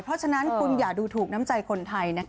เพราะฉะนั้นคุณอย่าดูถูกน้ำใจคนไทย